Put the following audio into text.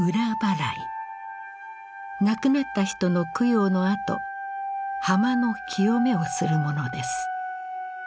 亡くなった人の供養のあと浜の清めをするものです。